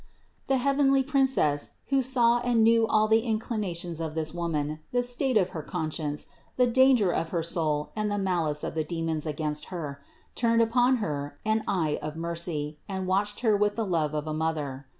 256. The heavenly Princess, who saw and knew all the inclinations of this woman, the state of her con science, the danger of her soul and the malice of the THE INCARNATION 209 demons against her, turned upon her an eye of mercy and watched her with the love of a mother.